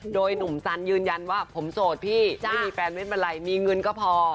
โดยหนุ่มจันยืนยันว่าผมโสดพี่ไม่มีแฟนไม่เป็นไรมีเงินก็พอ